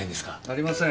ありません。